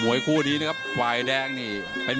มวยคู่นี้ครับขวายแดงนะครับ